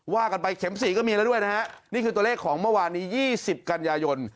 ว่ากันไปเข็ม๔ก็มีแล้วด้วยนะฮะนี่คือตัวเลขของเมื่อวานนี้๒๐กันยายน